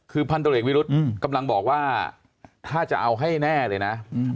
คือพันตรวจเอกวิรุธกำลังบอกว่าถ้าจะเอาให้แน่เลยนะ